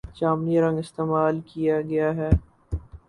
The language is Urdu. جامنی رنگ استعمال کیا گیا ہے